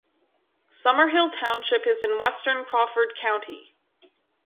Summerhill Township is in western Crawford County.